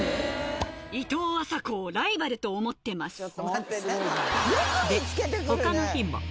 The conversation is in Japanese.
いとうあさこをライバルと思で、ほかの日も。